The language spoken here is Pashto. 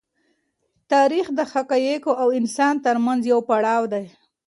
تاریخ د حقایقو او انسان تر منځ یو پړاو دی.